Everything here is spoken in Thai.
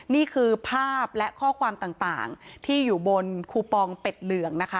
นี่คือภาพและข้อความต่างที่อยู่บนคูปองเป็ดเหลืองนะคะ